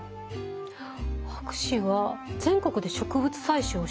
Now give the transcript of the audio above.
博士は全国で植物採集をしてたんですよね？